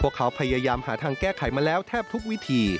เขาพยายามหาทางแก้ไขมาแล้วแทบทุกวิธี